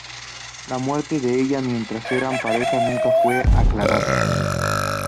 La muerte de ella mientras eran pareja nunca fue aclarada.